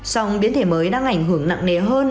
song biến thể mới đang ảnh hưởng nặng nề hơn